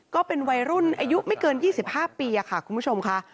ก็เป็นวัยรุ่นอายุไม่เกิน๒๕ปีค่ะคุณผู้ชมค่ะ